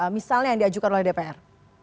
misalnya yang diajukan oleh dpr